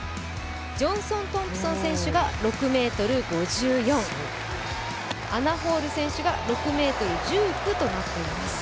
ジョンソン・トンプソン選手が６ｍ５４、アナ・ホール選手が６ｍ１９となっています。